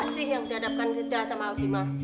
sih yang dihadapkan rida sama alvima